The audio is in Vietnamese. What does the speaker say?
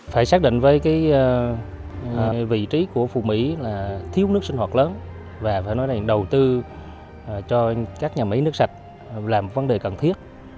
phải xác định với vị trí của phù mỹ là thiếu nước sinh hoạt lớn và phải nói là đầu tư cho các nhà máy nước sạch làm vấn đề cần thiết